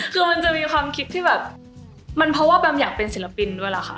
คือมันจะมีความคิดที่แบบมันเพราะว่าแบมอยากเป็นศิลปินด้วยล่ะค่ะ